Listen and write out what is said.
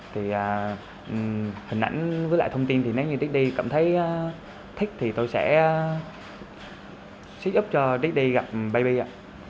thì hình ảnh với lại thông tin thì nếu như daddy cảm thấy thích thì tôi sẽ giúp cho daddy gặp baby ạ